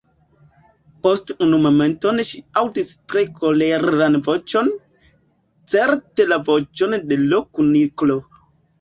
Post unu momenton ŝi aŭdis tre koleran voĉon, certe la voĉon de l' Kuniklo.